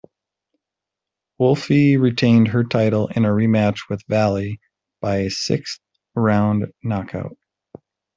Wolfe retained her title in a rematch with Valley, by a sixth round knockout.